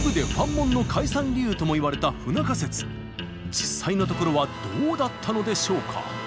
実際のところはどうだったのでしょうか？